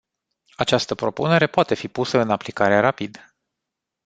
Această propunere poate fi pusă în aplicare rapid.